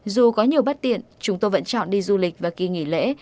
dù có nhiều bất tiện chúng tôi vẫn chọn đi du lịch và kỳ nghỉ lễ